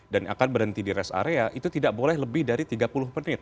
dan akan berhenti di rest area itu tidak boleh lebih dari tiga puluh menit